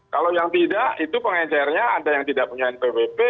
kalau yang tidak itu pengecernya ada yang tidak punya npwp